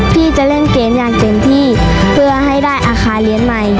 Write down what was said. พี่จะเล่นเกมอย่างเต็มที่เพื่อให้ได้อาคารเรียนใหม่